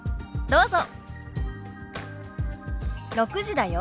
どうぞ。